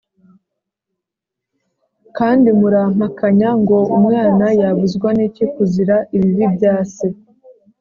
“Kandi murampakanya ngo ‘Umwana yabuzwa n’iki kuzira ibibi bya se?’